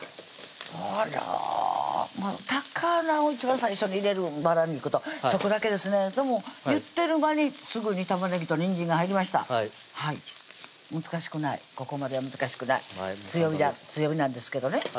あら高菜を一番最初に入れるバラ肉とそこだけですねでも言ってる間にすぐに玉ねぎとにんじんが入りました難しくないここまでは難しくない強火なんですけどね